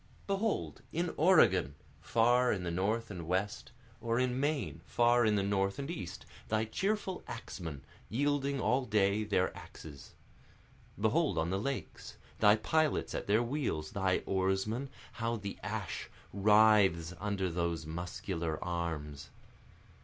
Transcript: Behold, in Oregon, far in the north and west, Or in Maine, far in the north and east, thy cheerful axemen, Wielding all day their axes. Behold, on the lakes, thy pilots at their wheels, thy oarsmen, How the ash writhes under those muscular arms!